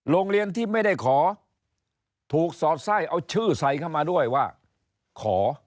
โรงเรียนที่ไม่ได้ขอถูกสอดไส้เอาชื่อใส่เข้ามาด้วยว่าขอ